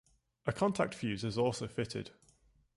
A contact fuse is also fitted.